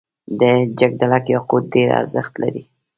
د جګدلک یاقوت ډیر ارزښت لري